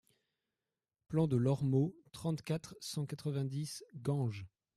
Plan de l'Ormeau, trente-quatre, cent quatre-vingt-dix Ganges